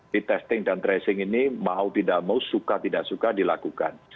di testing dan tracing ini mau tidak mau suka tidak suka dilakukan